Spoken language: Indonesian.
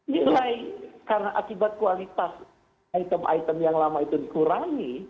nilai karena akibat kualitas item item yang lama itu dikurangi